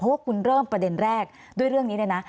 ว่าคุณเริ่มประเด็นแรกด้วยเรื่องนี้เลยนะ